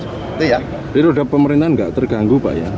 jadi ya di roda pemerintahan tidak terganggu pak ya